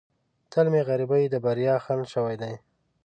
تل مې غریبۍ د بریا خنډ شوې ده.